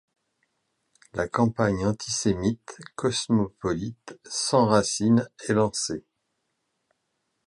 La campagne antisémite Cosmopolite sans racine est lancée.